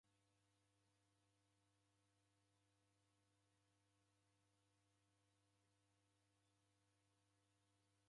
Okumba kura eunga mkonu kuchuria ngelo ya w'ubaa ghwa isanga.